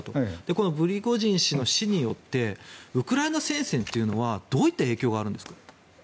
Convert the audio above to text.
このプリゴジン氏の死によってウクライナ戦線というのはどういった影響があるんですか？